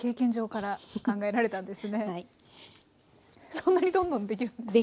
そんなにどんどん出来るんですね？